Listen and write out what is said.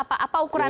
atau apa ukuran anda